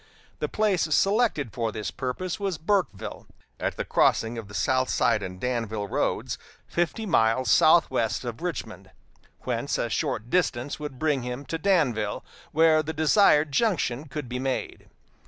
The place selected for this purpose was Burkeville, at the crossing of the South Side and Danville roads, fifty miles southwest from Richmond, whence a short distance would bring him to Danville, where the desired junction could be made.